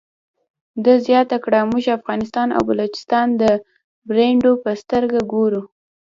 ده زیاته کړه موږ افغانستان او بلوچستان د برنډو په سترګه ګورو.